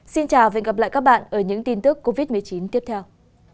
xin chào và hẹn gặp lại các bạn ở những tin tức covid một mươi chín tiếp theo